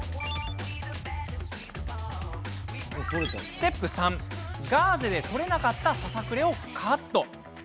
ステップ３ガーゼで取れなかったささくれをカット。